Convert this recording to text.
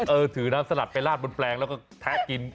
เออถือน้ำสลัดไปลาดบนแปลงแล้วก็แทะกิน